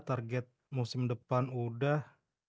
target musim depan udah